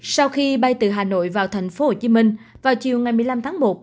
sau khi bay từ hà nội vào thành phố hồ chí minh vào chiều ngày một mươi năm tháng một